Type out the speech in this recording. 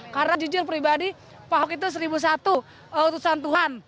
karena jujur pribadi pak awok itu seribu satu utusan tuhan